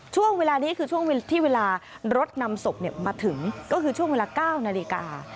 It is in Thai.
ช่วงเวลานี้คือช่วงเวลาที่เวลารถนำศพมาถึงก็คือช่วงเวลา๙นาฬิกา